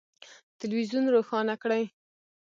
تلویزون روښانه کړئ